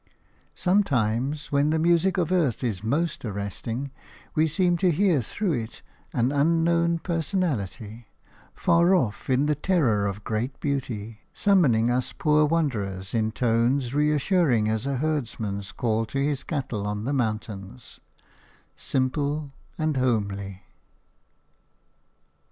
Sometimes, when the music of earth is most arresting, we seem to hear through it an unknown personality, far off in the terror of great beauty, summoning us poor wanderers in tones reassuring as a herdsman's call to his cattle on the mountains – simple and homely.